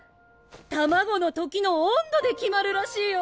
卵のときの温度で決まるらしいよ！